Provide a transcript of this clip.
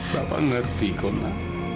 bapak ngerti kona